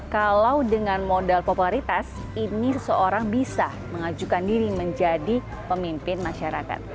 kalau dengan modal popularitas ini seseorang bisa mengajukan diri menjadi pemimpin masyarakat